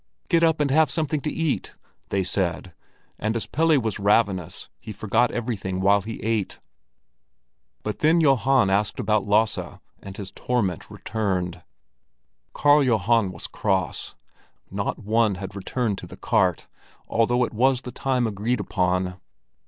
"Get up and have something to eat!" they said, and as Pelle was ravenous, he forgot everything while he ate. But then Johan asked about Lasse, and his torment returned. Karl Johan was cross; not one had returned to the cart, although it was the time agreed upon.